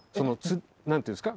何て言うんですか？